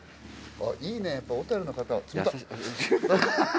いいねやっぱ小樽の方は。